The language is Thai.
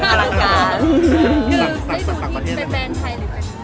ถ้าเลยไม่ให้ดูเป็นแบลน์ไทยหรือเปลูกการ